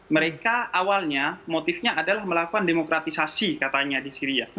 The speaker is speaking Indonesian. mereka awalnya motifnya adalah melakukan demokratisasi katanya di syria